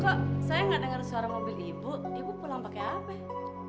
pak saya gak dengar suara mobil ibu ibu pulang pakai apa ya